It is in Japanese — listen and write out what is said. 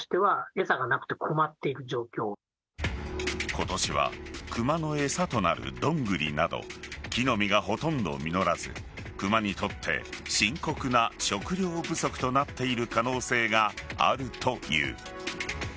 今年はクマの餌となるどんぐりなど木の実がほとんど実らずクマにとって深刻な食糧不足となっている可能性があるという。